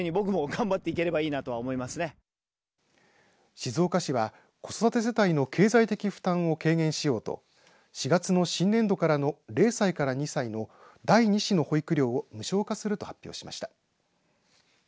静岡市は子育て世帯の経済的負担を軽減しようと４月の新年度からの０歳から２歳の第２子の保育料を無償化すると発表しました。